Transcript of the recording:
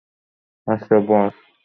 আচ্ছা, বস।